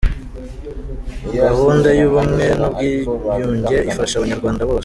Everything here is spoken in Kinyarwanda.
Gahunda y’Ubumwe n’Ubwiyunge ifasha Abanyarwanda bose